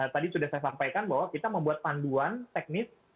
tadi sudah saya sampaikan bahwa kita membuat panduan teknis